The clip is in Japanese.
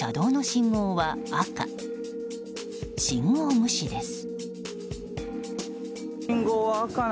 信号無視です。